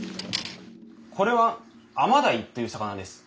これは甘ダイという魚です。